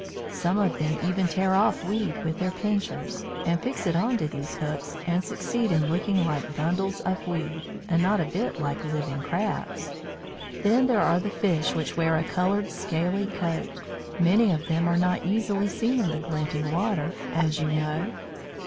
Some of them even tear off weed with their pincers, and fix it on to these hooks, and succeed in looking like bundles of weed, and not a bit like living Crabs. Then there are the fish which wear a coloured scaly coat. Many of them are not easily seen in the glinting water, as you know.